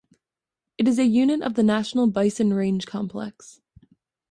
It is a unit of the National Bison Range Complex.